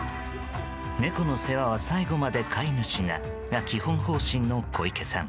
猫の世話は最後まで飼い主が、が基本方針の小池さん。